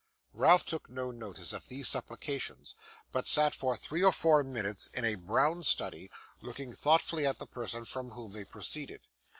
Ralph took no notice of these supplications, but sat for three or four minutes in a brown study, looking thoughtfully at the person from whom they proceeded.